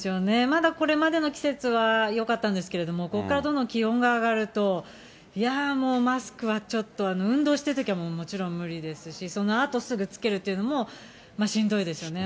まだこれまでの季節は、よかったんですけれども、ここからどんどん気温が上がると、いやー、もうマスクはちょっと、運動しているときはもちろん無理ですし、そのあとすぐ着けるというのも、しんどいでしょうね。